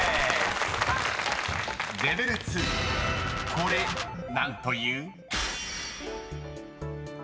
［これ何という？］